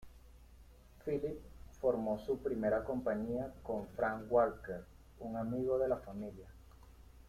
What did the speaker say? Philip formó su primera compañía con Frank Walker, un amigo de la familia.